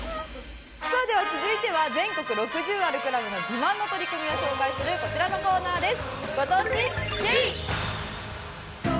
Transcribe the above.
さあでは続いては全国６０あるクラブの自慢の取り組みを紹介するこちらのコーナーです。